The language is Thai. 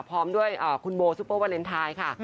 พร้อมด้วยคุณโบซุปเปอร์วาเลนไทยค่ะ